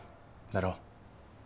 だろ？